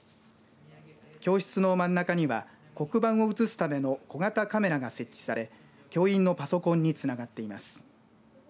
教室の真ん中には黒板を映すための小型カメラが設置され教員のパソコンにつながっています。